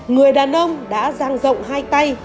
người đàn ông đã rang rộng hai tay